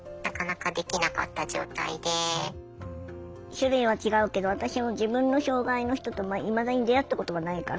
種類は違うけど私も自分の障害の人といまだに出会ったことがないから。